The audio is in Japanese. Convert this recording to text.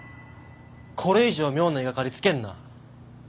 これ以上妙な言い掛かりつけんな